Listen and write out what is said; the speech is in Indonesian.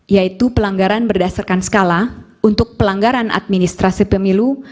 yaitu pelanggaran berdasarkan skala untuk pelanggaran administrasi pemilu